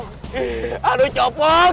gak tau aja copong